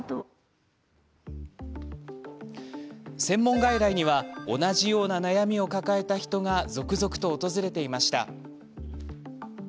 専門外来には同じような悩みを抱えた人が続々と訪れていました。